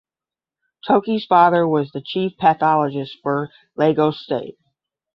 Toki’s father was the chief pathologist for Lagos state.